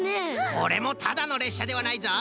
これもただのれっしゃではないぞい。